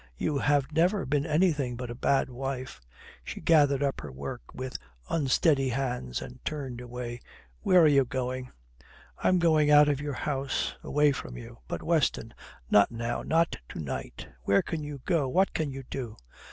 You have never been anything but a bad wife." She gathered up her work with unsteady hands and turned away. "Where are you going?" "I am going out of your house. Away from you." "But, Weston not now, not to night. Where can you go? What can you do?"